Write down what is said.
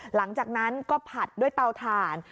หลังจากนั้นก็ผัดด้วยเตาถ่าน